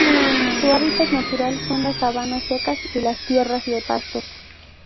Su hábitat natural son las sabanas secas y las tierras de pastos.